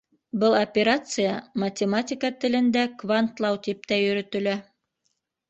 Был операция математика телендә квантлау, тип тә йөрөтөлә.